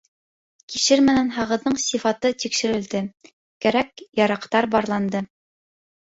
Кишер менән һағыҙҙың сифаты тикшерелде, кәрәк-яраҡтар барланды.